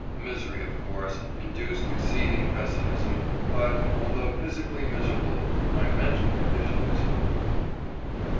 Misery, of course, induced exceeding pessimism, but .... although physically miserable, my mental condition is hopeful.